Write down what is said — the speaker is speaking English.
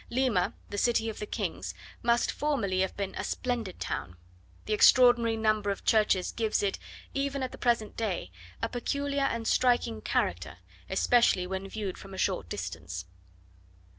Lima, the City of the Kings, must formerly have been a splendid town. The extraordinary number of churches gives it, even at the present day, a peculiar and striking character, especially when viewed from a short distance.